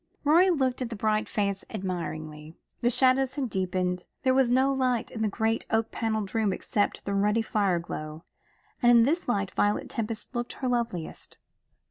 Rorie looked at the bright face admiringly. The shadows had deepened; there was no light in the great oak panelled room except the ruddy fire glow, and in this light Violet Tempest looked her loveliest.